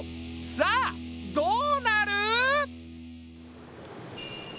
さあどうなる？